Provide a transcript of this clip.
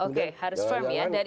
oke harus firm ya